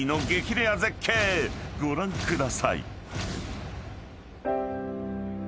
レア絶景ご覧ください］